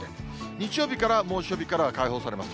日曜日から猛暑日からは解放されます。